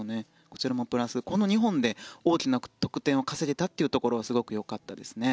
こちらもプラスこの２本で大きな得点を稼げたというところはすごくよかったですね。